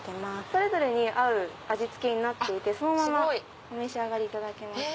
それぞれに合う味付けになっていてそのままお召し上がりいただけます。